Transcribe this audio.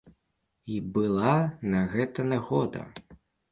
І была на гэта нагода.